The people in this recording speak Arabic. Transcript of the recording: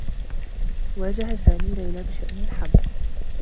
واجه سامي ليلى بشأن الحمل.